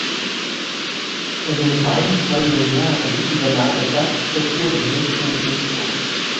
In den beiden folgenden Jahren übernahm er Gastprofessuren in München und Innsbruck.